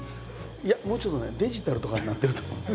いやもうちょっとねデジタルとかになってると思う。